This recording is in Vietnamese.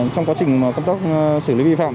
trong quá trình xử lý vi phạm